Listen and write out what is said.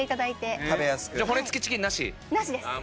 なしです。